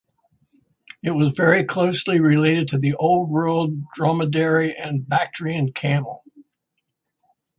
It was very closely related to the Old World Dromedary and Bactrian camel.